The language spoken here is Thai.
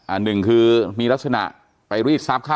หนึ่งคือมีลักษณะไปรีดทรัพย์เขา